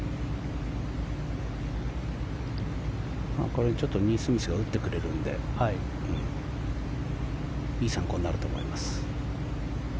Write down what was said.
これ、ちょっとニースミスが打ってくれるのでいい参考になると思います。